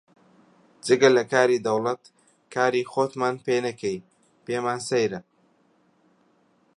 جگە لە کاری دەوڵەت کاری خۆتمان پێ ناکەی، پێمان سەیرە